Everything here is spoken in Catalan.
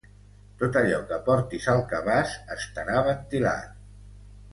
Tot allò que portis al cabàs estarà ventilat.